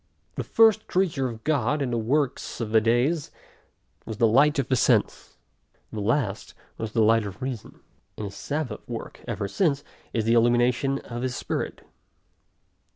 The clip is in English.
The first creature of God, in the works of the days, was the light of the sense; the last, was the light of reason; and his sabbath work ever since, is the illumination of his Spirit.